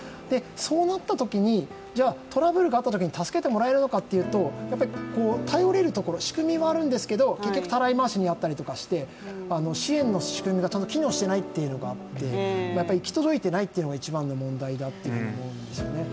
そうなったときに、じゃあトラブルがあったときに助けてもらえるのかというと頼れるところ、仕組みはあるんですけど、結局たらい回しになったりして、支援の仕組みがきちんと機能していないというのがあって行き届いていないというのが一番の問題だというふうに思うんですよね。